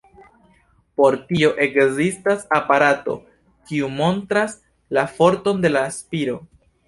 Por tio ekzistas aparato, kiu montras la forton de la spiro.